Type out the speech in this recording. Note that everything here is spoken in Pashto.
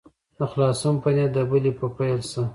د خلاصون په نیت دبلي په پیل سه.